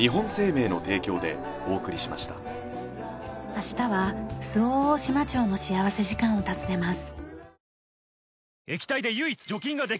明日は周防大島町の幸福時間を訪ねます。